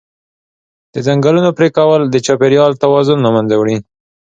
د ځنګلونو پرېکول د چاپېریال توازن له منځه وړي.